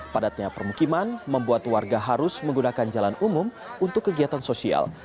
padatnya permukiman membuat warga harus menggunakan jalan umum untuk kegiatan sosial